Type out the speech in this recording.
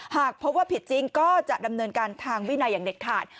หากพบว่าผิดจริงก็จะดำเนินการทางวินัยอย่างเด็ดขาด